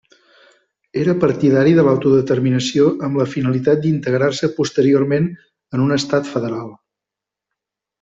Era partidari de l'autodeterminació amb la finalitat d'integrar-se posteriorment en un Estat Federal.